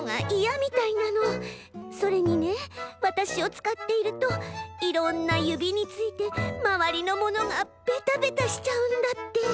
それにねわたしをつかっているといろんなゆびについてまわりのものがベタベタしちゃうんだって。